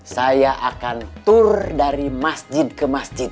saya akan tur dari masjid ke masjid